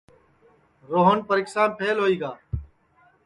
روہن پریکشام سپھل ہوئی گا